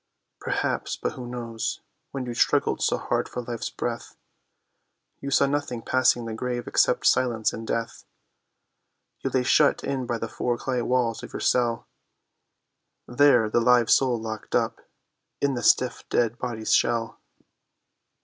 Perhaps—but who knows—when you struggled so hard for life's breath, You saw nothing passing the grave except silence and death, You lay shut in by the four clay walls of your cell, There the live soul locked up in the stiff dead body's shell.